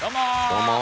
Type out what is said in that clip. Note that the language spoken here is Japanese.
どうも。